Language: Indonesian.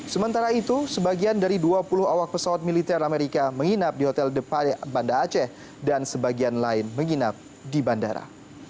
sementara itu sebagian dari dua puluh awak pesawat militer amerika menginap di hotel depan banda aceh dan sebagian lain menginap di bandara